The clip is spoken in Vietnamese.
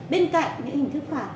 bên cạnh những hình thức phạt